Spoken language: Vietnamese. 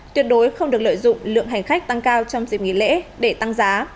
tuyệt đối không được lợi dụng lượng hành khách tăng cao trong dịp nghỉ lễ để tăng giá